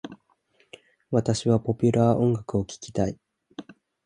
私はポピュラー音楽を聞きたい。